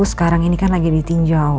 sekarang ini kan lagi ditinjau